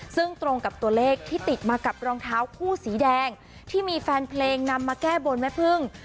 ซึ่งตรงกับตัวเลขที่ติดมากับรองเท้าคู่สีแดงที่มีแฟนเพลงนำมาแก้บนแม่พึ่ง